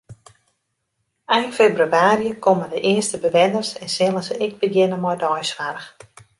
Ein febrewaarje komme de earste bewenners en sille se ek begjinne mei deisoarch.